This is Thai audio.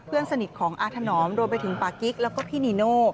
เพื่อนสนิทของอาถนอมรวมไปถึงปากิ๊กแล้วก็พี่นีโน่